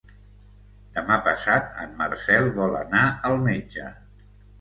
Demà passat en Marcel vol anar al metge.